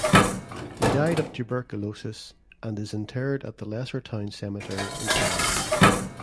He died of tuberculosis and is interred at the Lesser Town Cemetery in Prague.